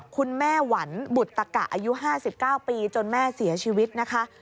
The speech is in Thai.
คุณแม่หวันบุตตะกะอายุ๕๙ปีจนแม่เสียชีวิตนะคะ